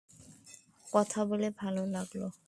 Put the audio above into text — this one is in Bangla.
কথা বলে ভালো লাগল।